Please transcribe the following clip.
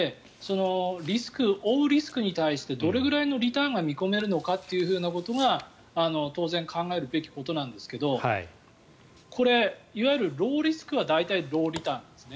追うリスクに対してどれぐらいのリターンが見込めるかというのが当然、考えるべきことなんですがこれ、いわゆるローリスクは大体、ローリターンですね。